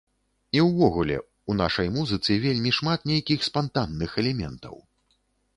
І ўвогуле, у нашай музыцы вельмі шмат нейкіх спантанных элементаў.